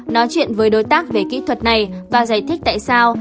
nói chuyện với đối tác về kỹ thuật này và giải thích tại sao